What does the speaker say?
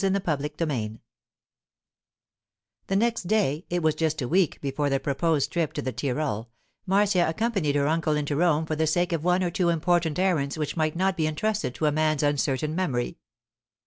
CHAPTER XXI THE next day—it was just a week before their proposed trip to the Tyrol—Marcia accompanied her uncle into Rome for the sake of one or two important errands which might not be intrusted to a man's uncertain memory.